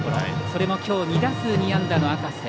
それも、今日２打数２安打の赤瀬。